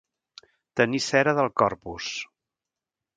Tenir cera del Corpus.